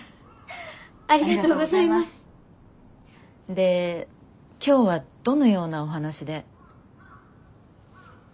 で今日はどのようなお話で？